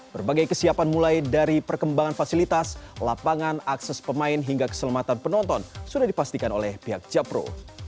berbagai kesiapan mulai dari perkembangan fasilitas lapangan akses pemain hingga keselamatan penonton sudah dipastikan oleh pihak japro